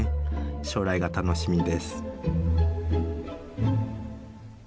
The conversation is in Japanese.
将来が楽しみです。